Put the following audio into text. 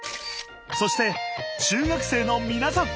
そして中学生のみなさん